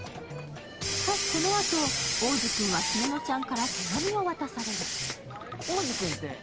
しかしそのあと、逢司君は姫乃ちゃんから手紙を渡される。